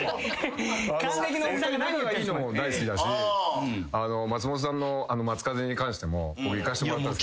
お二人仲がいいのも大好きだし松本さんの松風に関しても僕行かしてもらったんですけど。